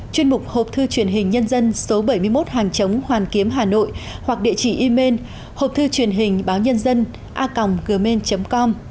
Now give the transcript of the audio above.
chuyên mục hộp thư truyền hình nhân dân số bảy mươi một hàng chống hoàn kiếm hà nội hoặc địa chỉ email hộp thư truyền hình báo nhân dân a gmail com